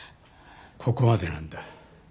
ここまでなんだ。